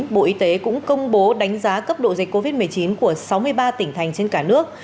bộ y tế cũng công bố đánh giá cấp độ dịch covid một mươi chín của sáu mươi ba tỉnh thành trên cả nước